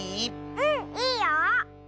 うんいいよ！